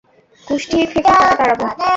কুষ্টি থেকে তাকে তাড়াব।